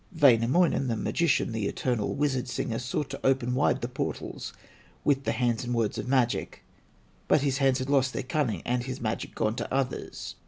Wainamoinen, the magician, The eternal wizard singer, Sought to open wide the portals With the hands and words of magic; But his hands had lost their cunning, And his magic gone to others.